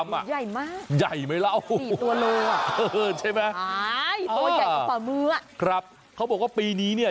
ใหญ่มากใหญ่ไหมล่ะ๔ตัวโลอ่ะเออใช่ไหมตัวใหญ่กว่าฝ่ามือครับเขาบอกว่าปีนี้เนี่ย